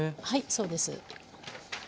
はいそうです。